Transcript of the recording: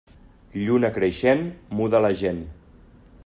Lluna creixent muda la gent.